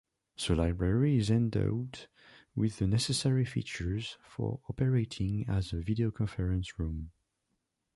The library is endowed with the necessary features for operating as a videoconference room.